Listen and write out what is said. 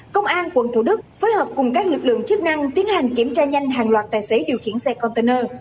công an quận thủ đức phối hợp cùng các lực lượng chức năng tiến hành kiểm tra nhanh hàng loạt tài xế điều khiển xe container